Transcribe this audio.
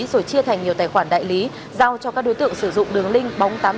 rồi chia thành nhiều tài khoản đại lý giao cho các đối tượng sử dụng đường link bóng tám mươi